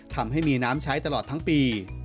ทำให้มีน้ำใช้ตลอดทั้งปี